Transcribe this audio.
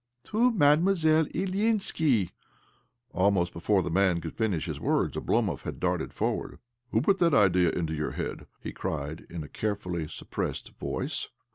" To Mademoiselle Ilyinski " Almost before the man could finish his words Oblo mov had darted forward. " Who put that idea into your head? " he cried in a carefully suppressed voice.